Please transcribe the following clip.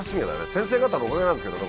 先生方のおかげなんですけどね